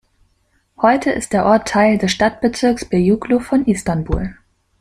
Heute ist der Ort Teil des Stadtbezirks Beyoğlu von Istanbul.